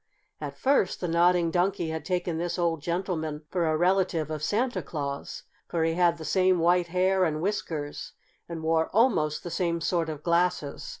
At first the Nodding Donkey had taken this old gentleman for a relative of Santa Claus, for he had the same white hair and whiskers and wore almost the same sort of glasses.